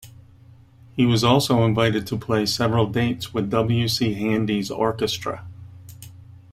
He was also invited to play several dates with W. C. Handy's Orchestra.